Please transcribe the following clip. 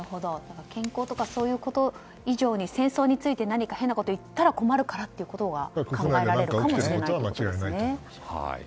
健康とかこういうこと以上に戦争について何か変なことを言ったら困るからということが考えられるかもしれないんですね。